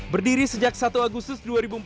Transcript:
berdiri sejak satu agustus dua ribu empat belas